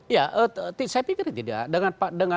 ya saya pikir tidak